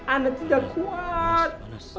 anak tidak kuat